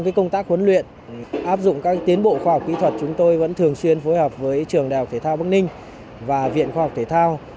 khoa học kỹ thuật chúng tôi vẫn thường xuyên phối hợp với trường đại học thể thao bắc ninh và viện khoa học thể thao